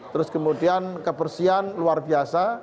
terus kemudian kebersihan luar biasa